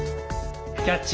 「キャッチ！